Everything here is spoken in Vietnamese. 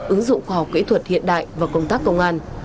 ứng dụng khoa học kỹ thuật hiện đại và công tác công an